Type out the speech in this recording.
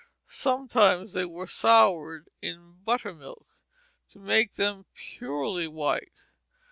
Sometimes they were "soured" in buttermilk to make them purely white.